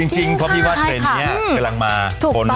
จริงเพราะคือว่าจะเป็นแบบนี้กำลังมา